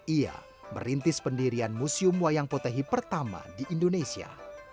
ia merintis pendirian museum wayang potehi pertama di indonesia